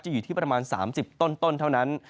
อยู่ที่ประมาณ๓๐ต้นเท่านั้น